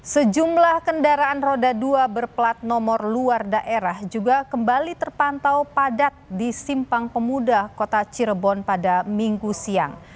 sejumlah kendaraan roda dua berplat nomor luar daerah juga kembali terpantau padat di simpang pemuda kota cirebon pada minggu siang